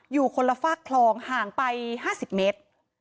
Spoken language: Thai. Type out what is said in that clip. อยู่คนละฝากคลองห่างไป๕๐เมตร